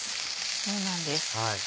そうなんです。